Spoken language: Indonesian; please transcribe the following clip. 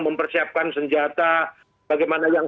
mempersiapkan senjata bagaimana yang